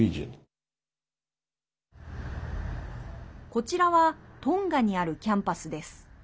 こちらはトンガにあるキャンパスです。